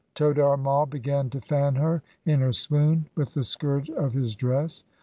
Todar Mai began to fan her in her swoon with the skirt of his dress.